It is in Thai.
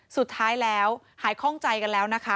สุดท้ายแล้วหายคล่องใจกันแล้วนะคะ